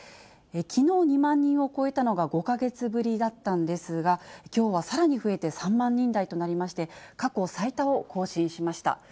きのう２万人を超えたのが５か月ぶりだったんですが、きょうはさらに増えて３万人台となりまして、過去最多を更新しました。